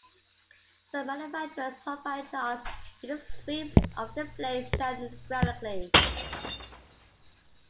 Some manufacturers provide charts with the sweeps of their blades shown graphically.